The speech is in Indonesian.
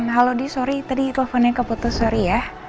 halo di sorry tadi teleponnya keputus sorry ya